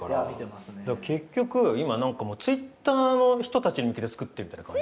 結局今何かもうＴｗｉｔｔｅｒの人たちに向けて作ってるみたいな感じ。